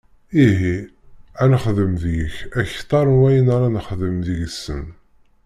Ihi, ad nexdem deg-k akteṛ n wayen ara nexdem deg-sen!